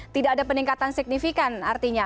tidak ada peningkatan signifikan artinya